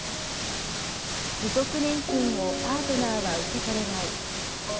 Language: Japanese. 遺族年金をパートナーは受け取れない。